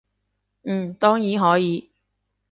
嗯，當然可以